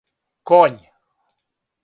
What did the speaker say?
коњ